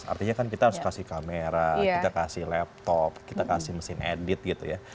artinya kan kita harus kasih kamera kita kasih laptop kita kasih mesin edit gitu ya